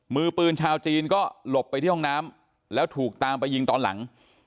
มือปืนชาวจีนก็หลบไปที่ห้องน้ำแล้วถูกตามไปยิงตอนหลัง